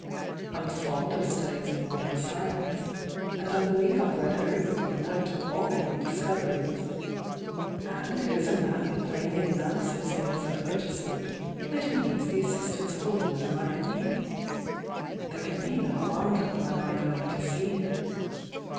I'm fond of stud ies in modern science, and I believe I've read every book of note on all the new discoveries,— and here's 82 THE YOUNG DIANA a man who plainly announces in his advertisement that he needs the assistance of a woman like me. There can be no harm done by my going to see him.